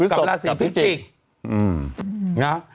ฮึกศพกับลาศีพิชิกนะ